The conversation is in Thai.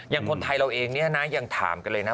อย่างคนไทยเราเองเนี่ยนะยังถามกันเลยนะ